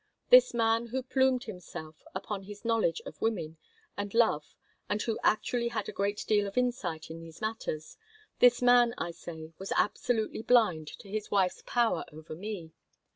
This man who plumed himself upon his knowledge of women and love and who actually had a great deal of insight in these matters, this man, I say, was absolutely blind to his wife's power over me.